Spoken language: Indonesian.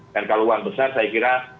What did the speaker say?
dan kalau uang besar saya kira